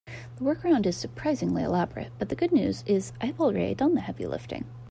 The workaround is surprisingly elaborate, but the good news is I've already done the heavy lifting.